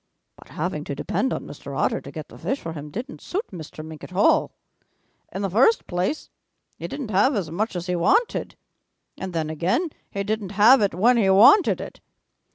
"But having to depend on Mr. Otter to get the fish for him didn't suit Mr. Mink at all. In the first place, he didn't have as much as he wanted. And then again he didn't have it when he wanted it.